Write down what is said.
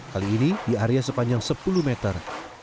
kali ini di area sepanjang sepuluh meter